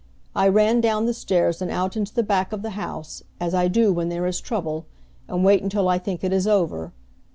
I ran down the stairs and out into the back of the house, as I do when there is trouble, and wait until I think it is over.